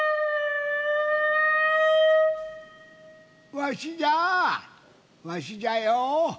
わしじゃわしじゃよ